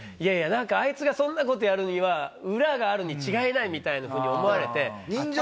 「あいつがそんなことやるには裏があるに違いない」みたいなふうに思われて。